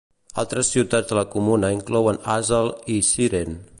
Altres ciutats de la comuna inclouen Hassel i Syren.